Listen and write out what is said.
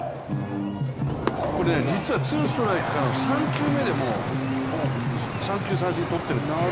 これね、実はツーストライクからの３球目でも三球三振とってるんですよ。